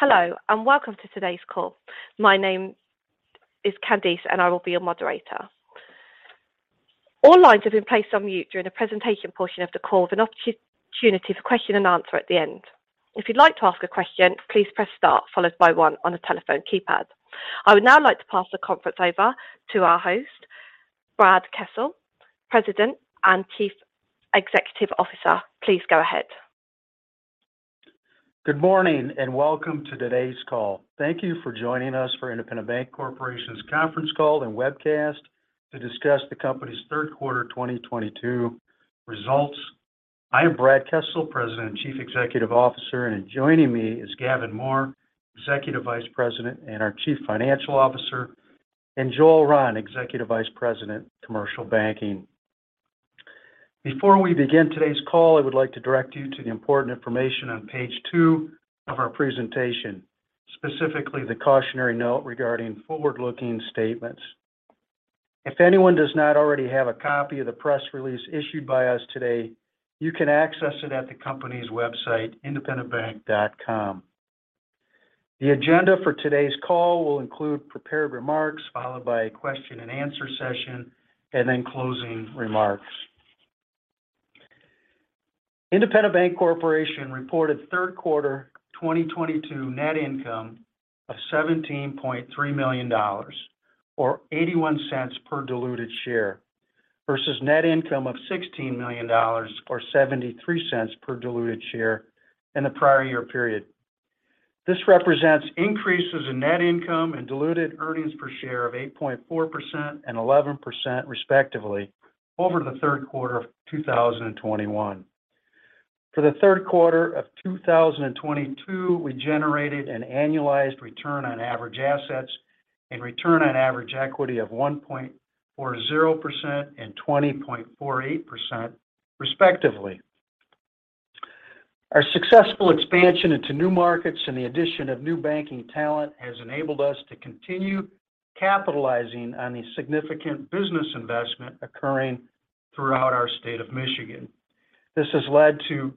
Hello, and welcome to today's call. My name is Candice, and I will be your moderator. All lines have been placed on mute during the presentation portion of the call with an opportunity for question and answer at the end. If you'd like to ask a question, please press star followed by one on a telephone keypad. I would now like to pass the conference over to our host, Brad Kessel, President and Chief Executive Officer. Please go ahead. Good morning, and welcome to today's call. Thank you for joining us for Independent Bank Corporation's conference call and webcast to discuss the company's third quarter 2022 results. I am Brad Kessel, President and Chief Executive Officer, and joining me is Gavin Mohr, Executive Vice President and our Chief Financial Officer, and Joel Rahn, Executive Vice President, Commercial Banking. Before we begin today's call, I would like to direct you to the important information on page two of our presentation, specifically the cautionary note regarding forward-looking statements. If anyone does not already have a copy of the press release issued by us today, you can access it at the company's website, independentbank.com. The agenda for today's call will include prepared remarks followed by a question and answer session and then closing remarks. Independent Bank Corporation reported third quarter 2022 net income of $17.3 million or $0.81 per diluted share versus net income of $16 million or $0.73 per diluted share in the prior year period. This represents increases in net income and diluted earnings per share of 8.4% and 11% respectively over the third quarter of 2021. For the third quarter of 2022, we generated an annualized return on average assets and return on average equity of 1.40% and 20.48% respectively. Our successful expansion into new markets and the addition of new banking talent has enabled us to continue capitalizing on the significant business investment occurring throughout our State of Michigan. This has led to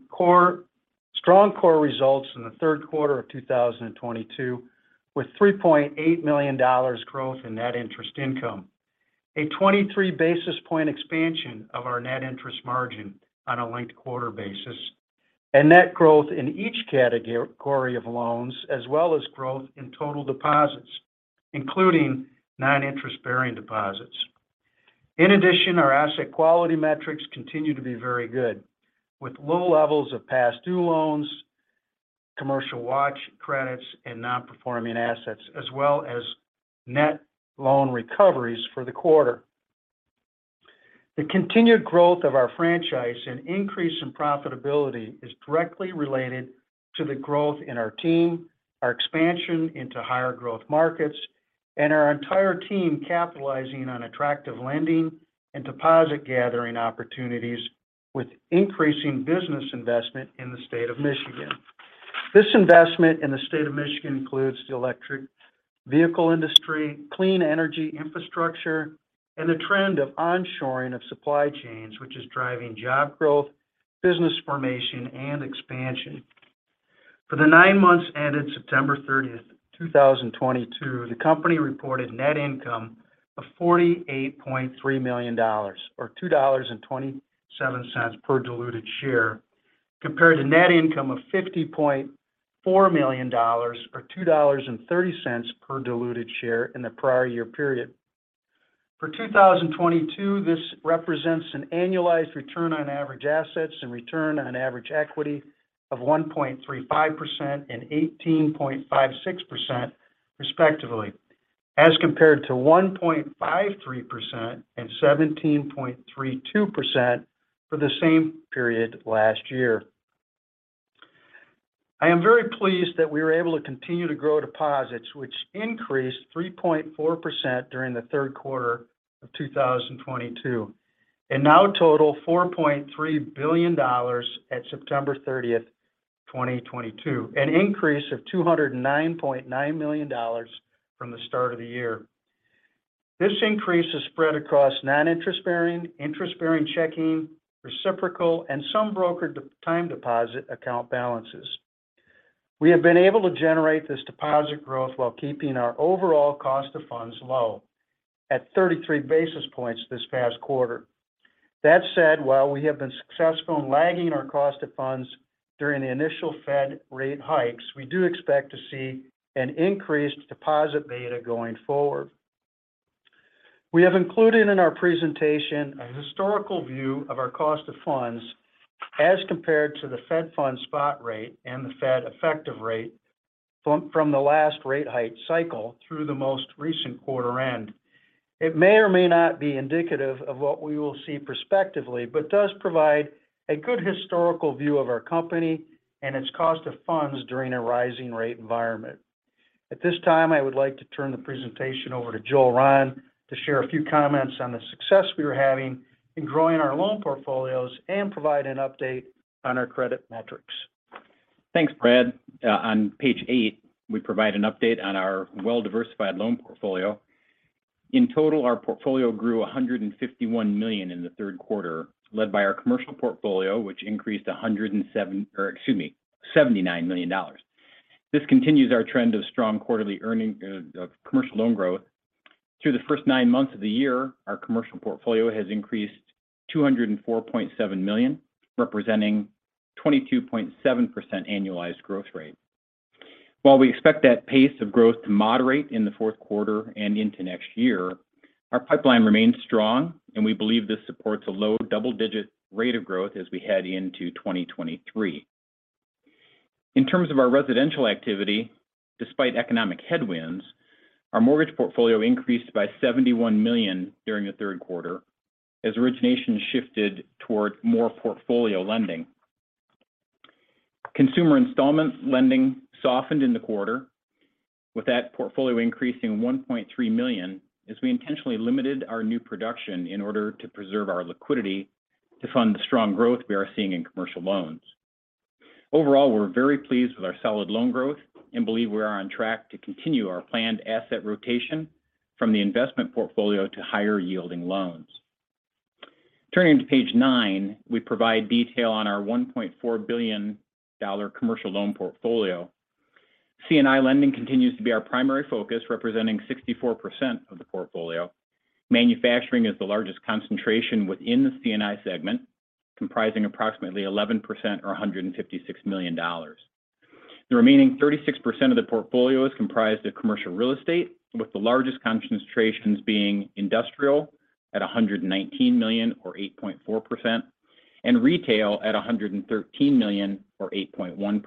strong core results in the third quarter of 2022 with $3.8 million growth in net interest income, a 23 basis point expansion of our net interest margin on a linked quarter basis, and net growth in each category of loans as well as growth in total deposits, including non-interest bearing deposits. In addition, our asset quality metrics continue to be very good with low levels of past due loans, commercial watch credits, and non-performing assets, as well as net loan recoveries for the quarter. The continued growth of our franchise and increase in profitability is directly related to the growth in our team, our expansion into higher growth markets, and our entire team capitalizing on attractive lending and deposit gathering opportunities with increasing business investment in the state of Michigan. This investment in the state of Michigan includes the electric vehicle industry, clean energy infrastructure, and the trend of onshoring of supply chains, which is driving job growth, business formation, and expansion. For the nine months ended September 30, 2022, the company reported net income of $48.3 million or $2.27 per diluted share compared to net income of $50.4 million or $2.30 per diluted share in the prior year period. For 2022, this represents an annualized return on average assets and return on average equity of 1.35% and 18.56% respectively, as compared to 1.53% and 17.32% for the same period last year. I am very pleased that we were able to continue to grow deposits, which increased 3.4% during the third quarter of 2022 and now total $4.3 billion at September 30, 2022, an increase of $209.9 million from the start of the year. This increase is spread across non-interest bearing, interest-bearing checking, reciprocal, and some brokered time deposit account balances. We have been able to generate this deposit growth while keeping our overall cost of funds low at 33 basis points this past quarter. That said, while we have been successful in lagging our cost of funds during the initial Fed rate hikes, we do expect to see an increased deposit beta going forward. We have included in our presentation a historical view of our cost of funds as compared to the Fed funds spot rate and the Fed effective rate from the last rate hike cycle through the most recent quarter end. It may or may not be indicative of what we will see prospectively, but does provide a good historical view of our company and its cost of funds during a rising rate environment. At this time, I would like to turn the presentation over to Joel Rahn to share a few comments on the success we are having in growing our loan portfolios and provide an update on our credit metrics. Thanks, Brad. On page eight, we provide an update on our well-diversified loan portfolio. In total, our portfolio grew $151 million in the third quarter, led by our commercial portfolio, which increased $79 million. This continues our trend of strong quarterly growth of commercial loan growth. Through the first nine months of the year, our commercial portfolio has increased $204.7 million, representing 22.7% annualized growth rate. While we expect that pace of growth to moderate in the fourth quarter and into next year, our pipeline remains strong, and we believe this supports a low double-digit rate of growth as we head into 2023. In terms of our residential activity, despite economic headwinds, our mortgage portfolio increased by $71 million during the third quarter as origination shifted toward more portfolio lending. Consumer installment lending softened in the quarter, with that portfolio increasing $1.3 million as we intentionally limited our new production in order to preserve our liquidity to fund the strong growth we are seeing in commercial loans. Overall, we're very pleased with our solid loan growth and believe we are on track to continue our planned asset rotation from the investment portfolio to higher-yielding loans. Turning to page nine, we provide detail on our $1.4 billion commercial loan portfolio. C&I lending continues to be our primary focus, representing 64% of the portfolio. Manufacturing is the largest concentration within the C&I segment, comprising approximately 11% or $156 million. The remaining 36% of the portfolio is comprised of commercial real estate, with the largest concentrations being industrial at $119 million or 8.4% and retail at $113 million or 8.1%.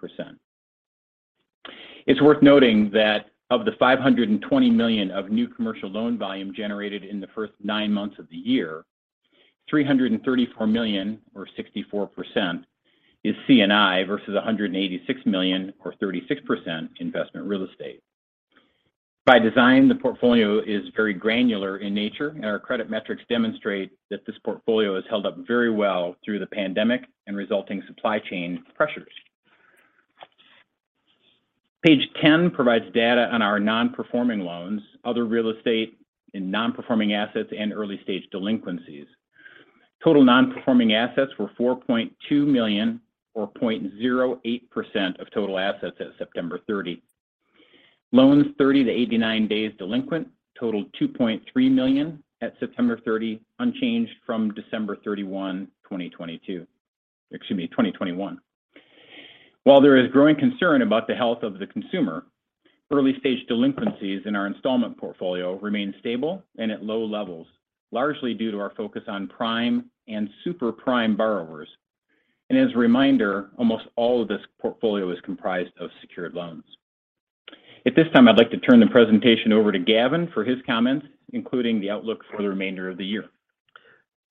It's worth noting that of the $520 million of new commercial loan volume generated in the first nine months of the year, $334 million or 64% is C&I versus $186 million or 36% investment real estate. By design, the portfolio is very granular in nature, and our credit metrics demonstrate that this portfolio has held up very well through the pandemic and resulting supply chain pressures. Page 10 provides data on our non-performing loans, other real estate and non-performing assets and early-stage delinquencies. Total non-performing assets were $4.2 million or 0.08% of total assets at September 30. Loans 30-89 days delinquent totaled $2.3 million at September 30, unchanged from December 31, 2022. Excuse me, 2021. While there is growing concern about the health of the consumer, early-stage delinquencies in our installment portfolio remain stable and at low levels, largely due to our focus on prime and super prime borrowers. As a reminder, almost all of this portfolio is comprised of secured loans. At this time, I'd like to turn the presentation over to Gavin for his comments, including the outlook for the remainder of the year.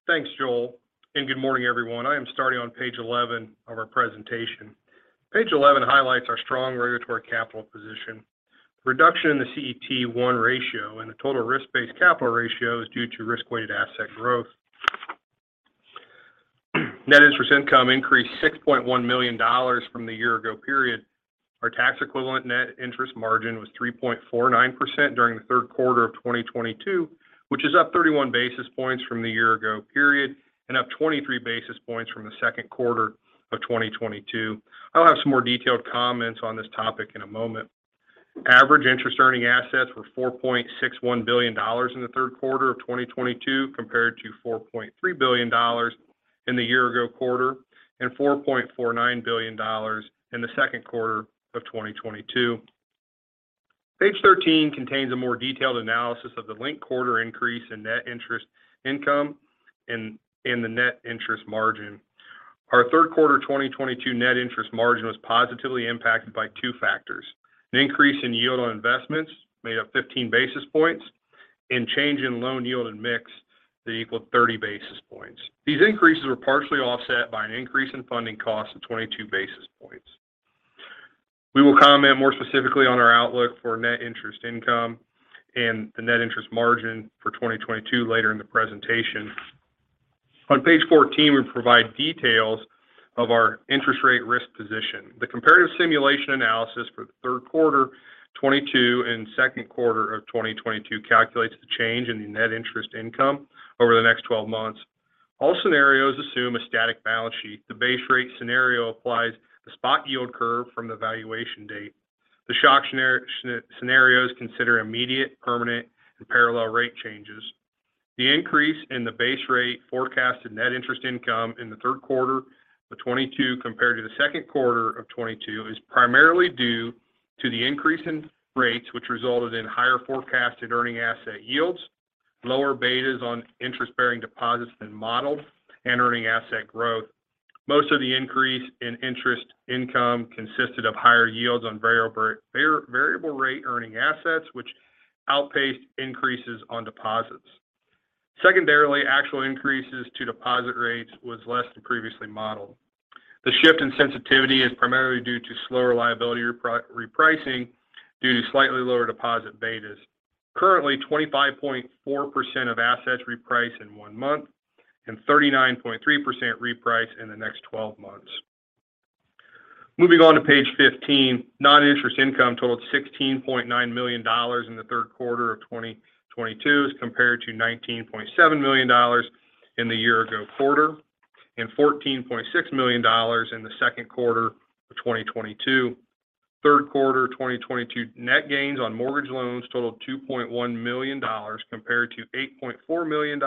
Thanks, Joel, and good morning, everyone. I am starting on page 11 of our presentation. Page 11 highlights our strong regulatory capital position. Reduction in the CET1 ratio and the total risk-based capital ratio is due to risk-weighted asset growth. Net interest income increased $6.1 million from the year ago period. Our tax equivalent net interest margin was 3.49% during the third quarter of 2022, which is up 31 basis points from the year ago period and up 23 basis points from the second quarter of 2022. I'll have some more detailed comments on this topic in a moment. Average interest earning assets were $4.61 billion in the third quarter of 2022 compared to $4.3 billion in the year ago quarter and $4.49 billion in the second quarter of 2022. Page 13 contains a more detailed analysis of the linked quarter increase in net interest income and the net interest margin. Our third quarter 2022 net interest margin was positively impacted by two factors. An increase in yield on investments made up 15 basis points and change in loan yield and mix that equaled 30 basis points. These increases were partially offset by an increase in funding costs of 22 basis points. We will comment more specifically on our outlook for net interest income and the net interest margin for 2022 later in the presentation. On page 14, we provide details of our interest rate risk position. The comparative simulation analysis for the third quarter 2022 and second quarter of 2022 calculates the change in the net interest income over the next 12 months. All scenarios assume a static balance sheet. The base rate scenario applies the spot yield curve from the valuation date. The shock scenarios consider immediate, permanent, and parallel rate changes. The increase in the base rate forecasted net interest income in the third quarter of 2022 compared to the second quarter of 2022 is primarily due to the increase in rates which resulted in higher forecasted earning asset yields, lower betas on interest-bearing deposits than modeled, and earning asset growth. Most of the increase in interest income consisted of higher yields on variable rate earning assets which outpaced increases on deposits. Secondarily, actual increases to deposit rates was less than previously modeled. The shift in sensitivity is primarily due to slower liability repricing due to slightly lower deposit betas. Currently, 25.4% of assets reprice in one month and 39.3% reprice in the next twelve months. Moving on to page 15, non-interest income totaled $16.9 million in the third quarter of 2022 as compared to $19.7 million in the year ago quarter and $14.6 million in the second quarter of 2022. Third quarter 2022 net gains on mortgage loans totaled $2.1 million compared to $8.4 million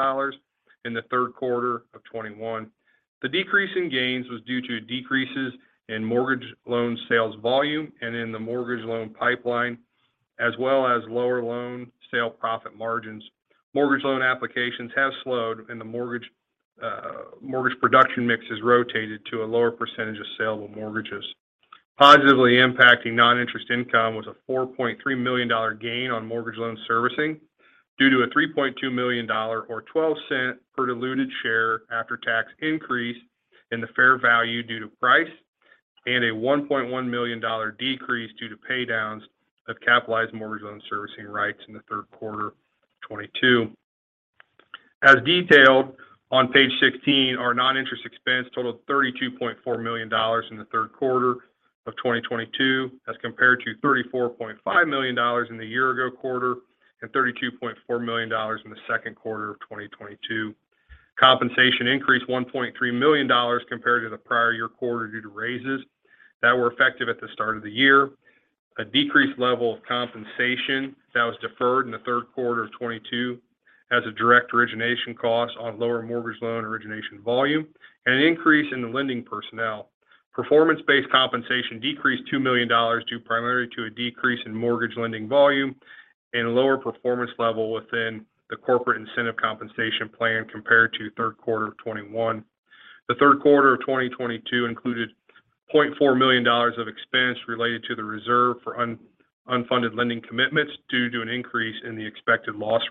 in the third quarter of 2021. The decrease in gains was due to decreases in mortgage loan sales volume and in the mortgage loan pipeline, as well as lower loan sale profit margins. Mortgage loan applications have slowed and the mortgage production mix has rotated to a lower percentage of saleable mortgages. Positively impacting non-interest income was a $4.3 million gain on mortgage loan servicing due to a $3.2 million or $0.12 per diluted share after-tax increase in the fair value due to price and a $1.1 million decrease due to paydowns of capitalized mortgage loan servicing rights in the third quarter of 2022. As detailed on page 16, our non-interest expense totaled $32.4 million in the third quarter of 2022 as compared to $34.5 million in the year-ago quarter and $32.4 million in the Q2 of 2022. Compensation increased $1.3 million compared to the prior-year quarter due to raises that were effective at the start of the year. A decreased level of compensation that was deferred in the third quarter of 2022 was due to lower mortgage loan origination volume and an increase in the lending personnel. Performance-based compensation decreased $2 million due primarily to a decrease in mortgage lending volume and lower performance level within the corporate incentive compensation plan compared to third quarter of 2021. The third quarter of 2022 included $0.4 million of expense related to the reserve for unfunded lending commitments due to an increase in the expected loss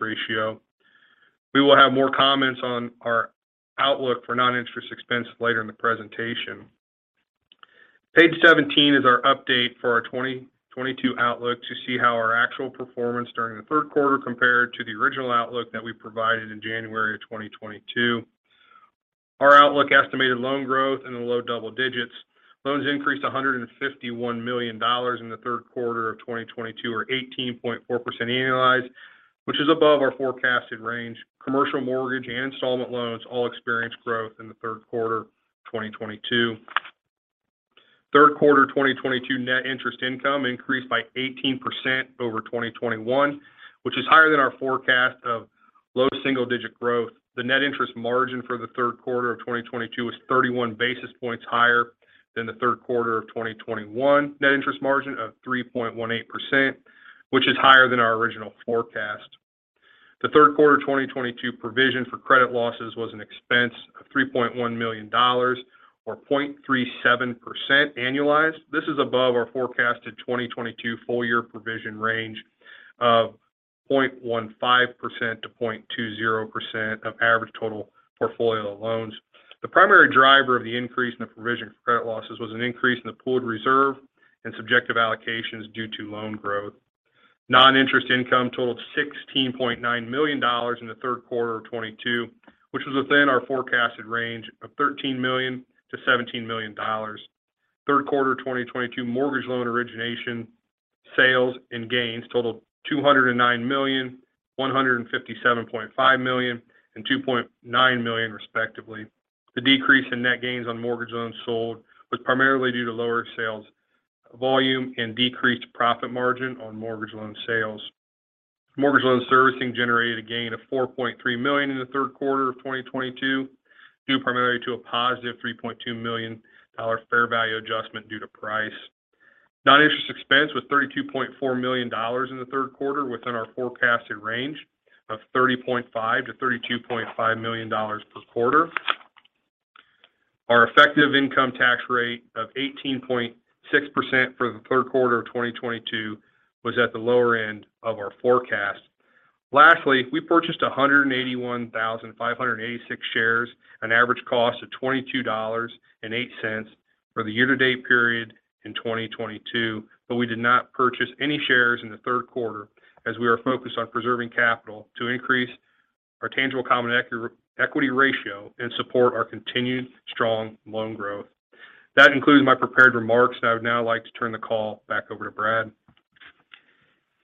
ratio. We will have more comments on our outlook for non-interest expense later in the presentation. Page 17 is our update for our 2022 outlook to see how our actual performance during the third quarter compared to the original outlook that we provided in January of 2022. Our outlook estimated loan growth in the low double digits. Loans increased $151 million in the third quarter of 2022 or 18.4% annualized, which is above our forecasted range. Commercial mortgage and installment loans all experienced growth in the third quarter of 2022. Third quarter 2022 net interest income increased by 18% over 2021, which is higher than our forecast of low single-digit growth. The net interest margin for the third quarter of 2022 was 31 basis points higher than the third quarter of 2021. Net interest margin of 3.18%, which is higher than our original forecast. The third quarter 2022 provision for credit losses was an expense of $3.1 million or 0.37% annualized. This is above our forecasted 2022 full year provision range of 0.15%-0.20% of average total portfolio loans. The primary driver of the increase in the provision for credit losses was an increase in the pooled reserve and subjective allocations due to loan growth. Noninterest income totaled $16.9 million in the third quarter of 2022, which was within our forecasted range of $13 million-$17 million. Third quarter 2022 mortgage loan origination, sales, and gains totaled $209 million, $157.5 million, and $2.9 million respectively. The decrease in net gains on mortgage loans sold was primarily due to lower sales volume and decreased profit margin on mortgage loan sales. Mortgage loan servicing generated a gain of $4.3 million in the third quarter of 2022, due primarily to a positive $3.2 million fair value adjustment due to price. Noninterest expense was $32.4 million in the third quarter within our forecasted range of $30.5 million-$32.5 million per quarter. Our effective income tax rate of 18.6% for the third quarter of 2022 was at the lower end of our forecast. Lastly, we purchased 181,586 shares, an average cost of $22.08 for the year-to-date period in 2022, but we did not purchase any shares in the third quarter as we are focused on preserving capital to increase our tangible common equity ratio and support our continued strong loan growth. That concludes my prepared remarks, and I would now like to turn the call back over to Brad.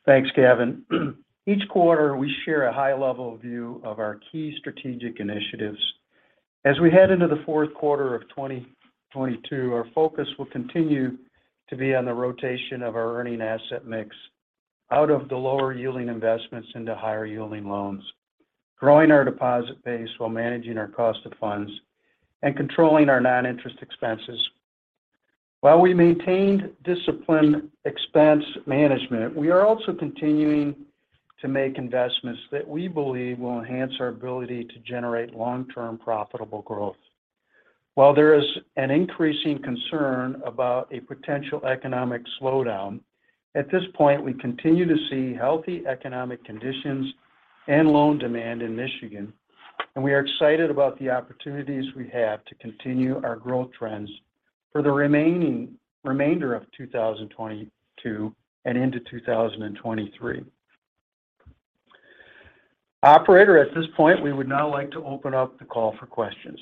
Thanks, Gavin. Each quarter, we share a high level view of our key strategic initiatives. As we head into the fourth quarter of 2022, our focus will continue to be on the rotation of our earning asset mix out of the lower yielding investments into higher yielding loans, growing our deposit base while managing our cost of funds, and controlling our non-interest expenses. While we maintained disciplined expense management, we are also continuing to make investments that we believe will enhance our ability to generate long-term profitable growth. While there is an increasing concern about a potential economic slowdown, at this point, we continue to see healthy economic conditions and loan demand in Michigan, and we are excited about the opportunities we have to continue our growth trends for the remainder of 2022 and into 2023. Operator, at this point, we would now like to open up the call for questions.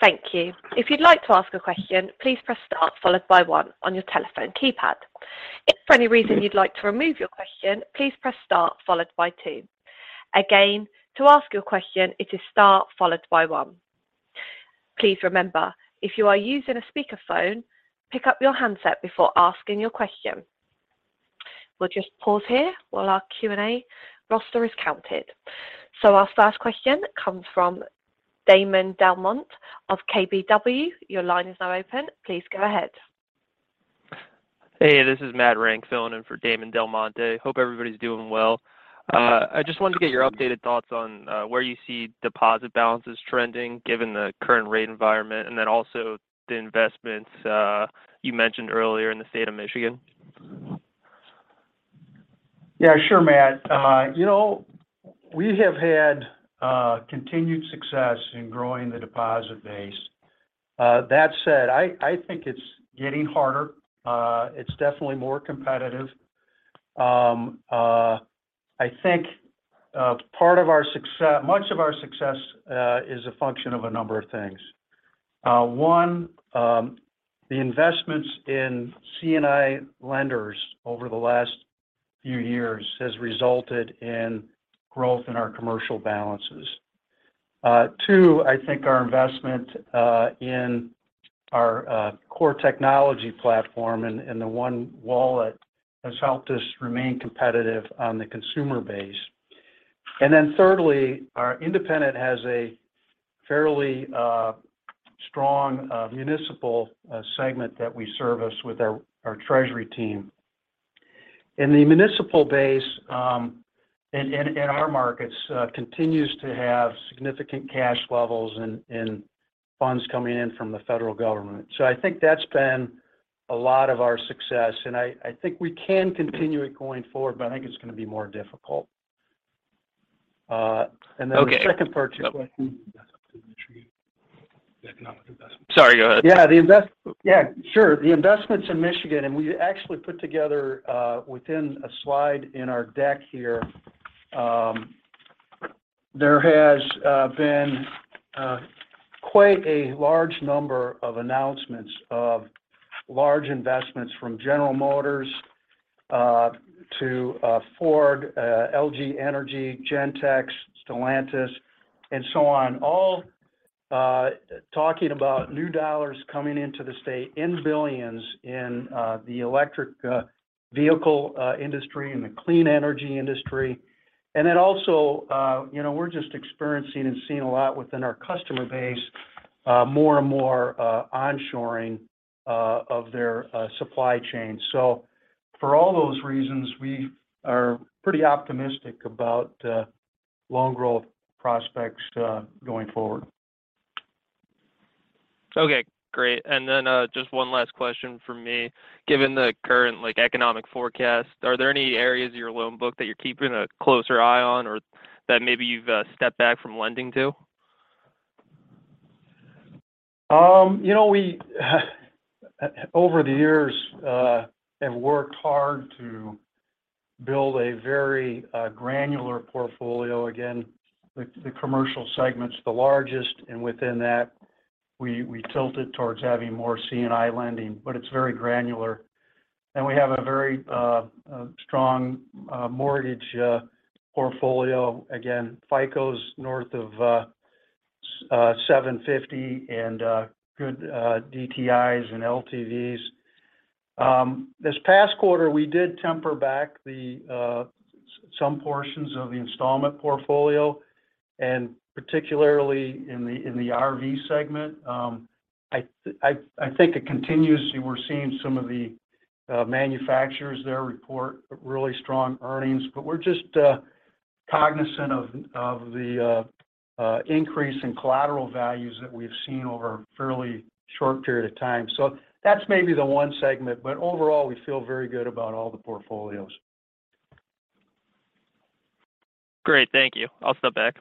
Thank you. If you'd like to ask a question, please press Star followed by one on your telephone keypad. If for any reason you'd like to remove your question, please press Star followed by two. Again, to ask your question, it is Star followed by one. Please remember, if you are using a speakerphone, pick up your handset before asking your question. We'll just pause here while our Q&A roster is counted. Our first question comes from Damon DelMonte of KBW. Your line is now open. Please go ahead. Hey, this is Matthew Renck filling in for Damon DelMonte. Hope everybody's doing well. I just wanted to get your updated thoughts on where you see deposit balances trending given the current rate environment, and then also the investments you mentioned earlier in the state of Michigan. Yeah, sure, Matt. You know, we have had continued success in growing the deposit base. That said, I think it's getting harder. It's definitely more competitive. I think much of our success is a function of a number of things. One, the investments in C&I lenders over the last few years has resulted in growth in our commercial balances. Two, I think our investment in our core technology platform and the ONE Wallet has helped us remain competitive on the consumer base. Thirdly, our Independent has a fairly strong municipal segment that we service with our treasury team. The municipal base in our markets continues to have significant cash levels and funds coming in from the federal government. I think that's been a lot of our success, and I think we can continue it going forward, but I think it's gonna be more difficult. The second part to your question. Okay. Economic investment. Sorry, go ahead. Yeah, sure. The investments in Michigan. We actually put together within a slide in our deck here. There has been quite a large number of announcements of large investments from General Motors to Ford, LG Energy Solution, Gentex, Stellantis, and so on, all talking about new dollars coming into the state in billions in the electric vehicle industry and the clean energy industry. You know, we're just experiencing and seeing a lot within our customer base, more and more onshoring of their supply chain. For all those reasons, we are pretty optimistic about loan growth prospects going forward. Okay, great. Just one last question from me. Given the current, like, economic forecast, are there any areas of your loan book that you're keeping a closer eye on or that maybe you've stepped back from lending to? You know, we over the years have worked hard to build a very granular portfolio. Again, the commercial segment's the largest, and within that, we tilt it towards having more C&I lending, but it's very granular. We have a very strong mortgage portfolio. Again, FICO's north of 750 and good DTI and LTV. This past quarter, we did temper back some portions of the installment portfolio, and particularly in the RV segment. I think it continues. We're seeing some of the manufacturers there report really strong earnings, but we're just cognizant of the increase in collateral values that we've seen over a fairly short period of time. That's maybe the one segment, but overall, we feel very good about all the portfolios. Great. Thank you. I'll step back.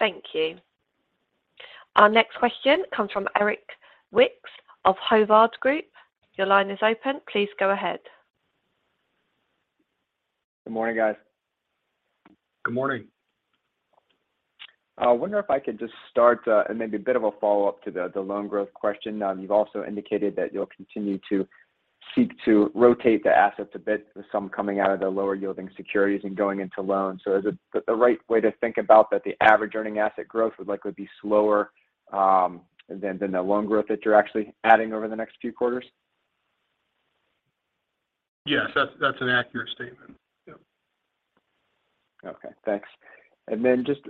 Thank you. Our next question comes from Erik Zwick of Hovde Group. Your line is open. Please go ahead. Good morning, guys. Good morning. I wonder if I could just start and maybe a bit of a follow-up to the loan growth question. You've also indicated that you'll continue to seek to rotate the assets a bit with some coming out of the lower yielding securities and going into loans. Is it the right way to think about that the average earning asset growth would likely be slower than the loan growth that you're actually adding over the next few quarters? Yes. That's an accurate statement. Yeah. Okay. Thanks. Then just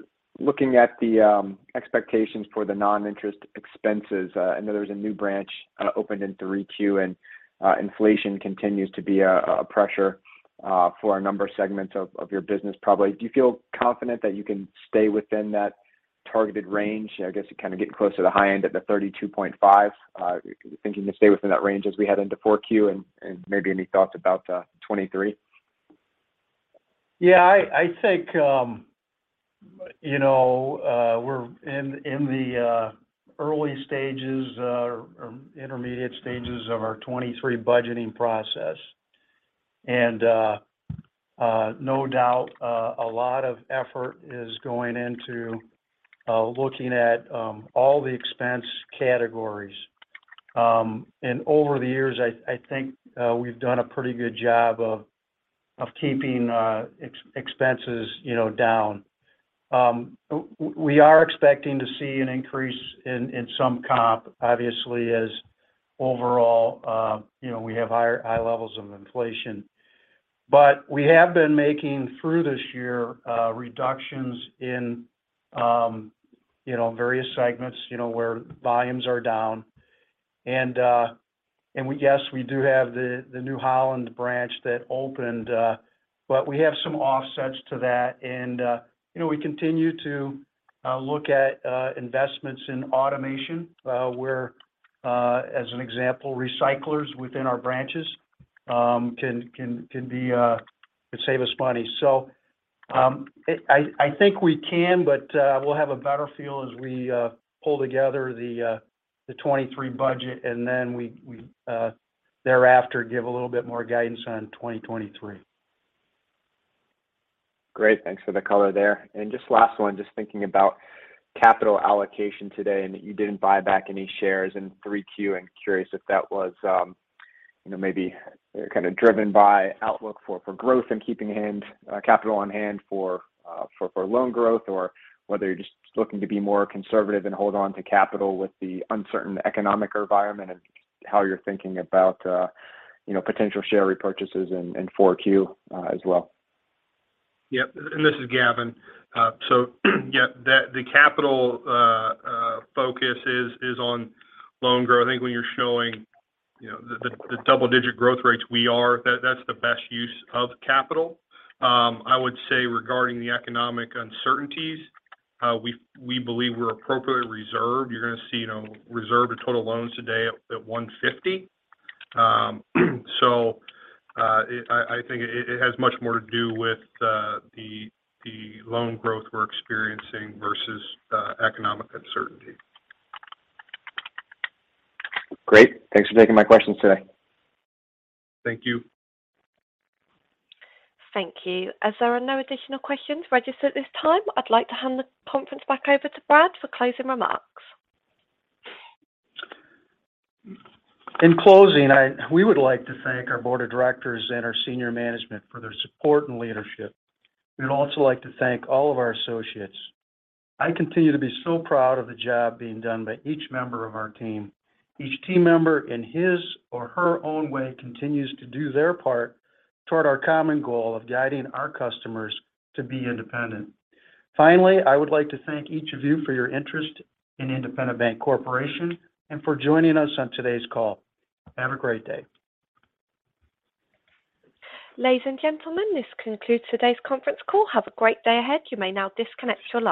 looking at the expectations for the non-interest expenses, I know there was a new branch opened in 3Q, and inflation continues to be a pressure for a number of segments of your business probably. Do you feel confident that you can stay within that targeted range? I guess you're kind of getting close to the high end at the 32.5%. Are you thinking to stay within that range as we head into 4Q and maybe any thoughts about 2023? Yeah, I think, you know, we're in the early stages or intermediate stages of our 2023 budgeting process. No doubt, a lot of effort is going into looking at all the expense categories. Over the years I think we've done a pretty good job of keeping expenses, you know, down. We are expecting to see an increase in some comp, obviously as overall, you know, we have high levels of inflation. We have been making through this year reductions in, you know, various segments, you know, where volumes are down. Yes, we do have the New Holland branch that opened, but we have some offsets to that. You know, we continue to look at investments in automation, where, as an example, recyclers within our branches could save us money. I think we can, but we'll have a better feel as we pull together the 2023 budget and then we thereafter give a little bit more guidance on 2023. Great. Thanks for the color there. Just last one, just thinking about capital allocation today, and that you didn't buy back any shares in 3Q. I'm curious if that was, you know, maybe kind of driven by outlook for growth and keeping capital on hand for loan growth or whether you're just looking to be more conservative and hold on to capital with the uncertain economic environment and how you're thinking about, you know, potential share repurchases in 4Q, as well. Yep, this is Gavin. Yeah, the capital focus is on loan growth. I think when you're showing, you know, the double-digit growth rates we are, that's the best use of capital. I would say regarding the economic uncertainties, we believe we're appropriately reserved. You're going to see, you know, reserve to total loans today at 150. It has much more to do with the loan growth we're experiencing versus economic uncertainty. Great. Thanks for taking my questions today. Thank you. Thank you. As there are no additional questions registered at this time, I'd like to hand the conference back over to Brad for closing remarks. In closing, we would like to thank our board of directors and our senior management for their support and leadership. We'd also like to thank all of our associates. I continue to be so proud of the job being done by each member of our team. Each team member in his or her own way continues to do their part toward our common goal of guiding our customers to be independent. Finally, I would like to thank each of you for your interest in Independent Bank Corporation and for joining us on today's call. Have a great day. Ladies and gentlemen, this concludes today's conference call. Have a great day ahead. You may now disconnect your lines.